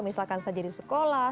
misalkan saja di sekolah